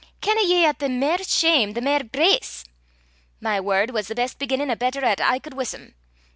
Kenna ye 'at the mair shame the mair grace? My word was the best beginnin' o' better 'at I cud wuss him.